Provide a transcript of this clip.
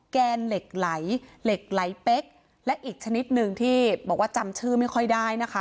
แกนเหล็กไหลเหล็กไหลเป๊กและอีกชนิดหนึ่งที่บอกว่าจำชื่อไม่ค่อยได้นะคะ